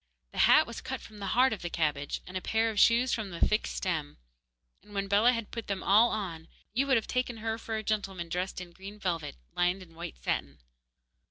The hat was cut from the heart of the cabbage, and a pair of shoes from the thick stem. And when Bellah had put them all on you would have taken her for a gentleman dressed in green velvet, lined with white satin.